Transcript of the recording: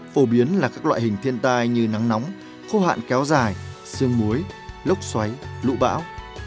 phổ biến là các loại hình thiên tai như nắng nóng khô hạn kéo dài sương muối lốc xoáy lũ bão